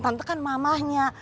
tante kan mamahnya